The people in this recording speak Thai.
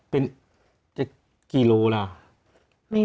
เป็นกิโลเหรอ